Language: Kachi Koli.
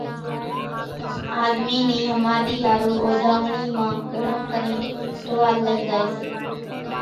آۮمِي نِي ۿماۮِي ۿارُو اوڍامڻي مان گھڻون ڪرين ٽووال لئي زائي سي ۔